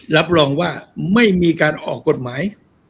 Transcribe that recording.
รับรองว่าไม่มีการออกกฎหมาย